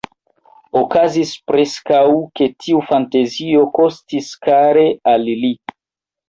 Okazis preskaŭ, ke tiu fantazio kostis kare al li.